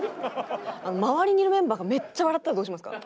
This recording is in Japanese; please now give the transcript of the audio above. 周りにいるメンバーがめっちゃ笑ったらどうしますか？